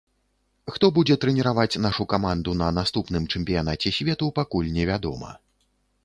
Хто будзе трэніраваць нашу каманду на наступным чэмпіянаце свету, пакуль невядома.